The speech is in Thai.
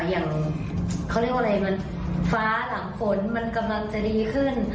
อย่างเขาเรียกว่าอะไรมันฟ้าหลังฝนมันกำลังจะดีขึ้น